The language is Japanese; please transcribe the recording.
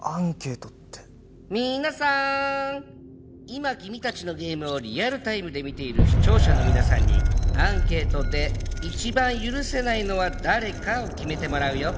今君たちのゲームをリアルタイムで見ている視聴者の皆さんにアンケートで一番許せないのは誰かを決めてもらうよ。